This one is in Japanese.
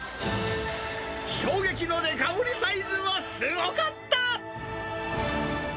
衝撃のデカ盛りサイズはすごかった。